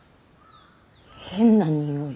変なにおい。